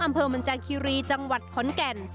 อำเภอมันจาคิรีจังหวัดขอนแก่น